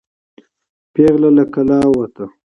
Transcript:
پیغله له کلا ووته.